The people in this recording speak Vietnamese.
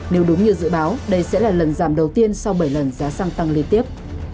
nếu đúng như dự báo đây sẽ là lần giảm đầu tiên sau bảy lần giá xăng tăng liên tiếp